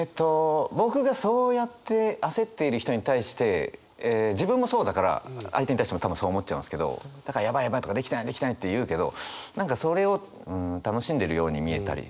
僕がそうやって焦っている人に対して自分もそうだから相手に対しても多分そう思っちゃうんですけどだからやばいやばいとかできてないできてないって言うけど何かそれを楽しんでいるように見えたりしてしまうから。